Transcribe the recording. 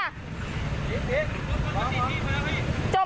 จบไหม